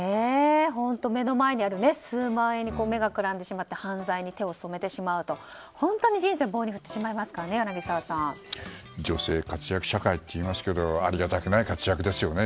本当、目の前にある数万円に目がくらんでしまって犯罪に手を染めてしまうと本当に人生を棒に振ってしまいますからね女性活躍社会といいますけどありがたくない活躍ですよね